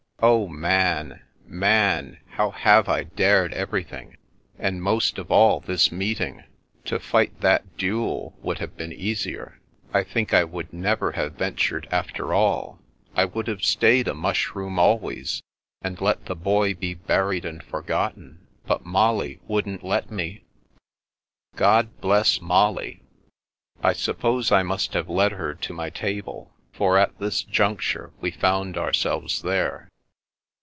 Oh, Man, Man, how have I dared everything — and most of all this meeting? To fight that duel would have been easier. I think I would never have ven tured after all, I would have stayed a Mushroom always, and let the Boy be buried and forgotten; but Molly wouldn't let me." " God bless Molly." I suppose I must have led her to my table, for at this juncture we found ourselves there.